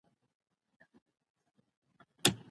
کوم هیواد غواړي جګړه نور هم پراخ کړي؟